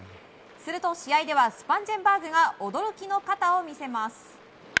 すると、試合ではスパンジェンバーグが驚きの肩を見せます。